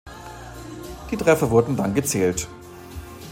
Die Treffer wurden dann gezählt.